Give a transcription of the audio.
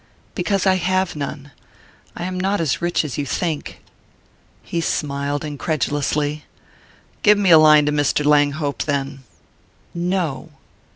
"Because I have none. I am not as rich as you think." He smiled incredulously. "Give me a line to Mr. Langhope, then." "No."